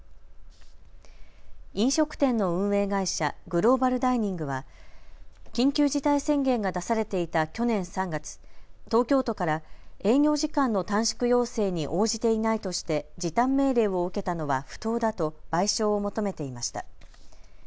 飲食店の運営会社グローバルダイニングは緊急事態宣言が出されていた去年３月、東京都から営業時間の短縮要請に応じていないとして時短命令を受けたのは不当だと賠償を求めていました。